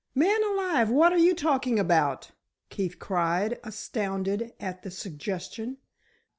"Man alive, what are you talking about?" Keefe cried, astounded at the suggestion.